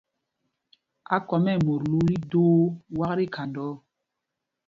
Ákɔm ɛ́ mot lul ídoo wak tí khanda ɔ.